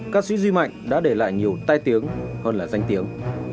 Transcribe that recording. ca sĩ di mạnh đã để lại nhiều tai tiếng hơn là danh tiếng